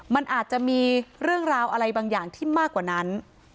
มันอาจจะมีเรื่องราวอะไรบางอย่างที่มากกว่านั้น